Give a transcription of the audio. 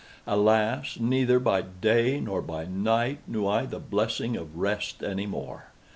Alas! neither by day nor by night knew I the blessing of rest any more!